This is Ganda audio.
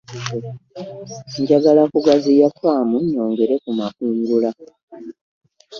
Njagala kugaziya faamu nnyongere ku makungula